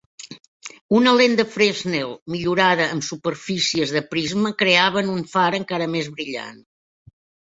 Una lent de Fresnel millorada amb superfícies de prisma creaven un far encara més brillant.